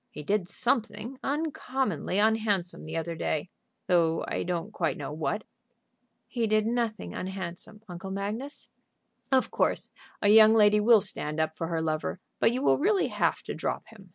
He did something uncommonly unhandsome the other day, though I don't quite know what." "He did nothing unhandsome, Uncle Magnus." "Of course a young lady will stand up for her lover, but you will really have to drop him.